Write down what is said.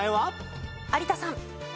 有田さん。